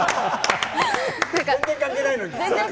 全然関係ないのに。